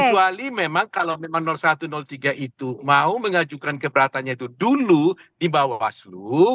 kecuali memang kalau satu tiga itu mau mengajukan keberatannya itu dulu di bawaslu